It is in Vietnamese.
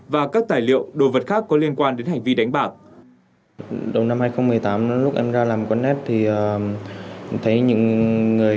và các tài liệu đồ vật khác có liên quan đến hành vi đánh bạc